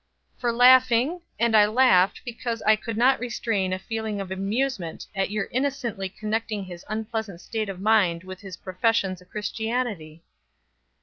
"For laughing; and I laughed because I could not restrain a feeling of amusement at your innocently connecting his unpleasant state of mind with his professions of Christianity."